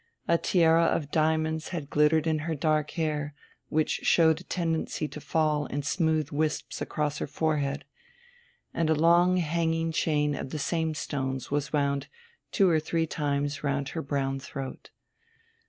A tiara of diamonds had glittered in her dark hair, which showed a tendency to fall in smooth wisps across her forehead, and a long hanging chain of the same stones was wound two or three times round her brown throat.